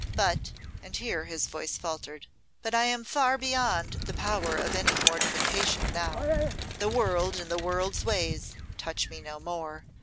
But,' and here his voice faltered, 'but I am far beyond the power of any mortification now. The world and the world's ways touch me no more.